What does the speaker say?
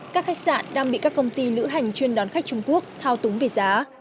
các khách sạn đang bị các công ty lữ hành chuyên đón khách trung quốc thao túng về giá